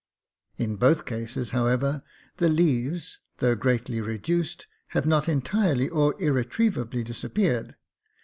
In both cases, however, the leaves, though greatly reduced, have not entirely or irretrievably disappeared.